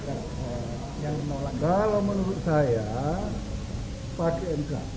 kalau menurut saya pakai enggak